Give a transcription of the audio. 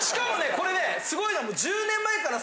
これねすごいのは。